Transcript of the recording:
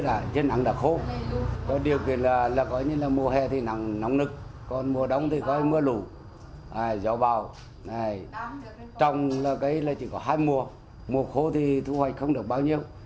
trời thì mưa chứ nắng đã khô điều kỳ là mùa hè thì nắng nức mùa đóng thì có mưa lù gió bào trong cái chỉ có hai mùa mùa khô thì thu hoạch không được bao nhiêu